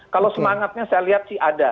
kalau semangatnya saya lihat sih ada